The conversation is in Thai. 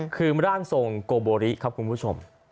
คือร่างทรงโกโบริครับคุณผู้ชม